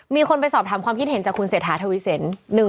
มีคนไปสอบถามความคิดเห็นขึ้นเศรษฐธวิเศษ